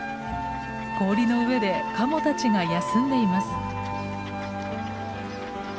氷の上でカモたちが休んでいます。